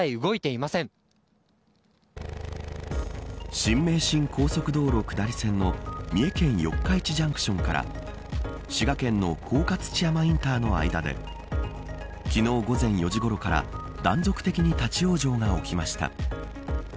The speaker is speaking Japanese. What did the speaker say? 新名神高速道路下り線の三重県四日市ジャンクションから滋賀県の甲賀土山インターの間で昨日、午前４時ごろから断続的に立ち往生が起きました。